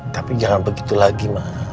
tapi jangan begitu lagi